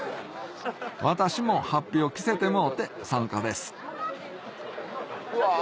私も法被を着せてもろうて参加ですうわ